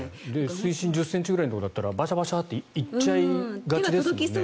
水深１０ｃｍぐらいだったらバシャバシャって行っちゃいがちですけど。